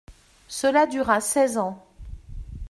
Cela dura seize ans.